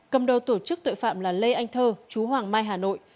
cầm đầu tổ chức tội phạm là lê anh thơ chú hoàng mai hà nội